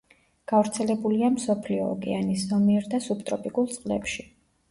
გავრცელებულია მსოფლიო ოკეანის ზომიერ და სუბტროპიკულ წყლებში.